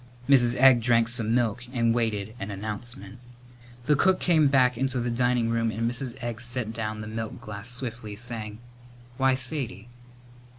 Mrs. Egg drank some milk and waited an announcement. The cook came back into the dining room and Mrs. Egg set down the milk glass swiftly, saying, "Why, Sadie!"